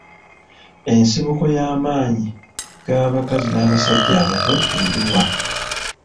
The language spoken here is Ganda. Ensibuko y'amaanyi g'abakazi n'abasajja abato eriwa?